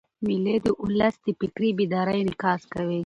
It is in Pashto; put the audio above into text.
مېلې د اولس د فکري بیدارۍ انعکاس کوي.